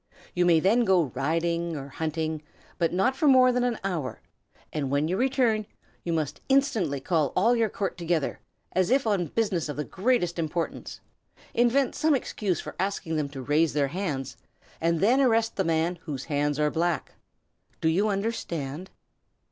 You may then go hunting or riding, but not for more than an hour; and when you return, you must instantly call all your court together, as if on business of the greatest importance. Invent some excuse for asking them to raise their hands, and then arrest the man whose hands are black. Do you understand?"